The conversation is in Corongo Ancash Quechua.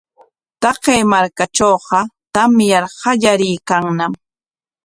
Taqay markatrawqa tamyar qallariykanñam.